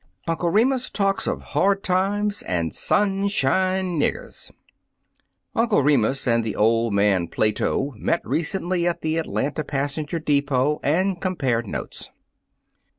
UNCLE REMUS TALKS OF HARD TIMES AND "SUNSHINE NIGGERS" NCLE REMUS and old man Plato met recently at the Atlanta pas senger depot and compared notes.